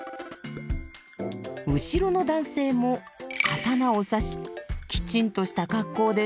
後ろの男性も刀を差しきちんとした格好です。